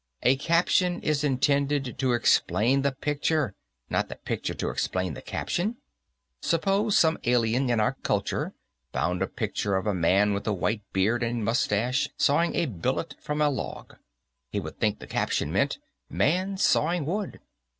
A caption is intended to explain the picture, not the picture to explain the caption. Suppose some alien to our culture found a picture of a man with a white beard and mustache sawing a billet from a log. He would think the caption meant, 'Man Sawing Wood.'